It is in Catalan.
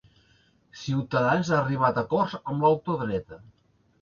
Ciutadans ha arribat a acords amb la ultradreta